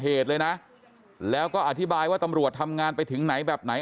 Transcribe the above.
เหตุเลยนะแล้วก็อธิบายว่าตำรวจทำงานไปถึงไหนแบบไหน